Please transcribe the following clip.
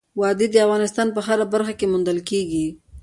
وادي د افغانستان په هره برخه کې موندل کېږي.